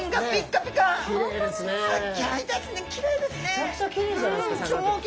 めちゃくちゃきれいじゃないですかさかなクン。